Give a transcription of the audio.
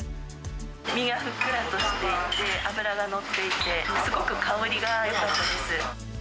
身がふっくらとしていて、脂が乗っていて、すごく香りがよかったです。